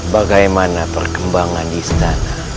bagaimana perkembangan istana